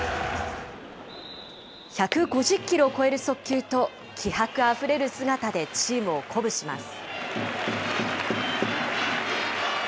１５０キロを超える速球と、気迫あふれる姿でチームを鼓舞します。